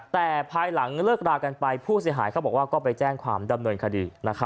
แต่ภายหลังเลิกรากันไปผู้เสียหายเขาบอกว่าก็ไปแจ้งความดำเนินคดี